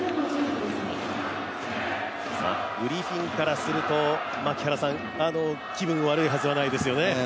グリフィンからすると、気分悪いはずはないですよね。